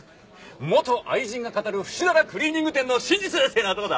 元愛人が語るふしだらクリーニング店の真実」っていうのはどうだ？